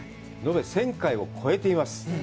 延べ１０００回を超えています。